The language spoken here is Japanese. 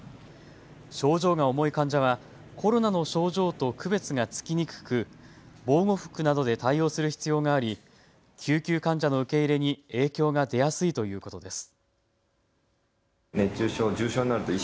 症状が重い患者はコロナの症状と区別がつきにくく防護服などで対応する必要があり救急患者の受け入れに影響が出やすいということです。